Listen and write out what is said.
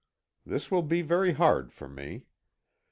(This will be very hard for me.)